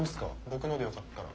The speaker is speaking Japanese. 僕のでよかったら。